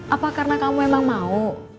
apa karena kamu memang mau